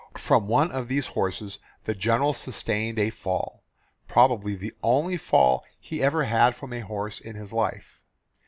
From one of these horses the General sustained a fall probably the only fall he ever had from a horse in his life.